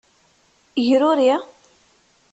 Gruri.